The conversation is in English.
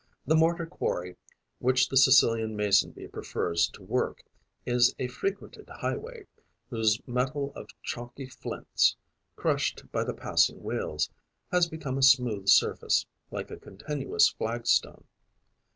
The mortar quarry which the Sicilian Mason bee prefers to work is a frequented highway, whose metal of chalky flints, crushed by the passing wheels, has become a smooth surface, like a continuous flagstone.